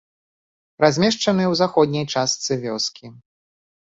Размешчаны ў заходняй частцы вёскі.